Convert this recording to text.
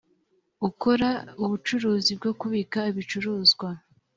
ukora ubucuruzi bwo kubika ibicuruzwa